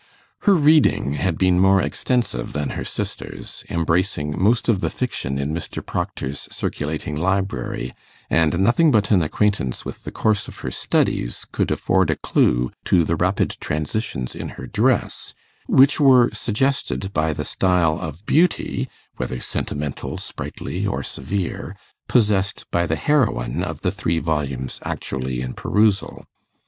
Her reading had been more extensive than her sister's, embracing most of the fiction in Mr. Procter's circulating library, and nothing but an acquaintance with the course of her studies could afford a clue to the rapid transitions in her dress, which were suggested by the style of beauty, whether sentimental, sprightly, or severe, possessed by the heroine of the three volumes actually in perusal.